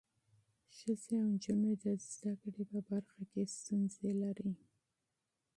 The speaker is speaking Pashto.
ښځې او نجونې د زده کړې په برخه کې ستونزې لري.